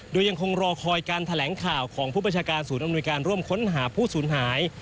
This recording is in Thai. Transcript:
โดยยังคงรอคอยการแถลงข่าวของผู้ประชาการศูนย์อำนวยการร่วมค้นหาผู้สูญหาย